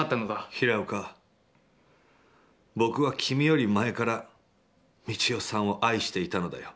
「平岡、僕は君より前から三千代さんを愛していたのだよ。